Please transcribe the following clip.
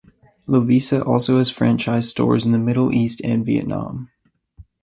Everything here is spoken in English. Lovisa also has franchised stores in the Middle East and Vietnam.